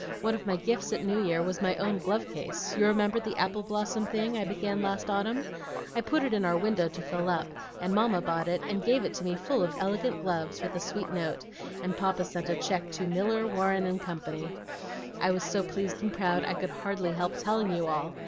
One of my gifts at New Year was my own glove case, you remember the apple blossom thing I began last autumn? I put it in our window to fill up, and Mamma bought it, and gave it to me full of elegant gloves, with a sweet note, and Papa sent a check to 'Miller, Warren & Co.' I was so pleased and proud I could hardly help telling you all.